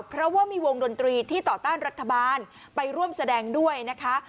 เพราะว่ามีวงดนตรีที่ต่อต้านรัฐบาลไปร่วมแสดงด้วยนะคะ